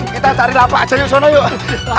kita cari rapah aja yuk sana yuk